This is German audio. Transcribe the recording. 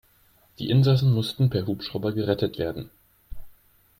Die Insassen mussten per Hubschrauber gerettet werden.